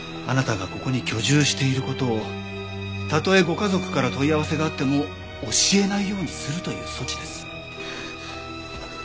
あなたがここに居住している事をたとえご家族から問い合わせがあっても教えないようにするという措置です。